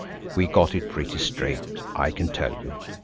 We got it pretty straight, I can tell you.